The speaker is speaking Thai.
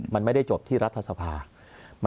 มันไม่ได้จบที่รัฐสภา